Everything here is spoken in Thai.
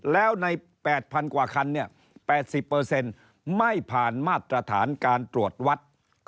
แล้วใน๘๐๐๐กว่าคัน๘๐ไม่ผ่านมาตรฐานการตรวจวัด